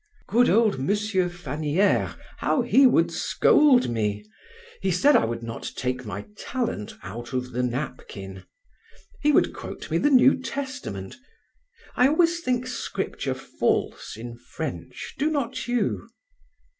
"Good old Monsieur Fannière, how he would scold me! He said I would not take my talent out of the napkin. He would quote me the New Testament. I always think Scripture false in French, do not you?"